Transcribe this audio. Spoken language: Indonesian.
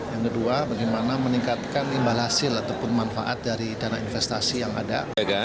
yang kedua bagaimana meningkatkan imbal hasil ataupun manfaat dari dana investasi yang ada